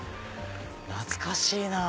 懐かしいなぁ。